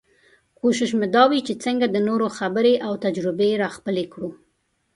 کوشش مو دا وي چې څنګه د نورو خبرې او تجربې راخپلې کړو.